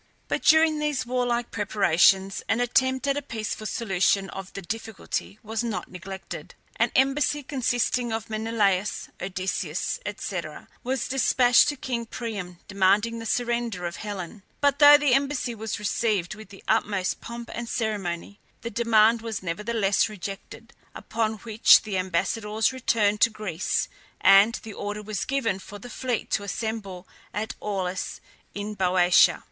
But during these warlike preparations an attempt at a peaceful solution of the difficulty was not neglected. An embassy consisting of Menelaus, Odysseus, &c., was despatched to king Priam demanding the surrender of Helen; but though the embassy was received with the utmost pomp and ceremony, the demand was nevertheless rejected; upon which the ambassadors returned to Greece, and the order was given for the fleet to assemble at Aulis, in Boeotia.